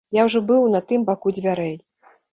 Я ўжо быў на тым баку дзвярэй.